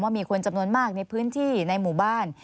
มีคนจำนวนมากในพื้นที่ในหมู่บ้าน